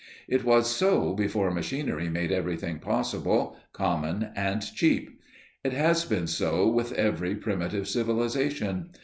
It was so before machinery made everything possible, common and cheap; it has been so with every primitive civilization.